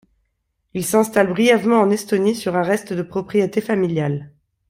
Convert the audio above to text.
Ils s'installent brièvement en Estonie sur un reste de propriété familiale.